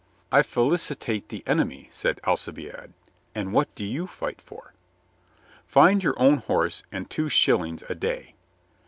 "I felicitate the enemy," said Alcibiade. "And what do you fight for?" "Find your own horse and two shillings a day."